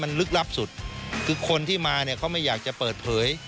มันลึกลับสุดคือคนที่มาเนี่ยเขาไม่อยากจะเปิดเผย